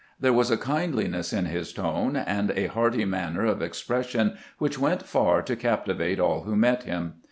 There was a kindliness in his tone and a hearty manner of expres sion which went far to captivate all who met him.